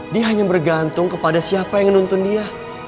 dia hanya bergantung kepada siapa yang nuntun dia